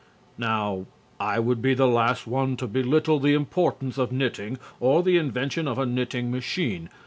Now I would be the last one to belittle the importance of knitting or the invention of a knitting machine.